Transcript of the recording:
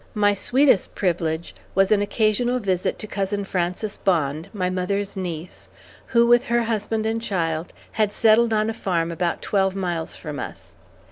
My sweetest privilege was an occasional visit to cousin Frances Bond, my mother's niece, who, with her husband and child, had settled on a farm about twelve miles from us.